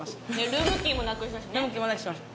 ルームキーもなくしました。